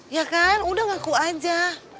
ya kan udah ngaku aja